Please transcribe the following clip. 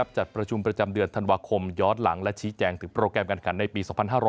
จัดประชุมประจำเดือนธันวาคมย้อนหลังและชี้แจงถึงโปรแกรมการขันในปี๒๕๖๐